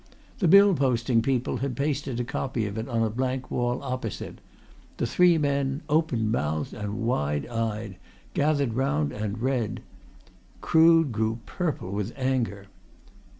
The bill posting people had pasted a copy of it on a blank wall opposite; the three men, open mouthed and wide eyed, gathered round and read. Crood grew purple with anger.